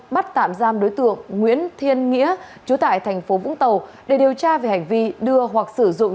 bắt tạm giam đối tượng nguyễn thiên nghĩa chú tại thành phố vũng tàu để điều tra về hành vi đưa hoặc sử dụng